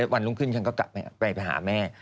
วันลุงขึ้นฉันก็ไปหาแม่